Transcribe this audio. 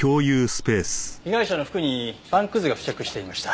被害者の服にパンくずが付着していました。